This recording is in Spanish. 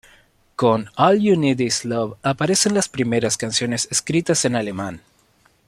Con All You Need Is Love aparecen las primeras canciones escritas en alemán.